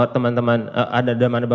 teman teman ada nama nama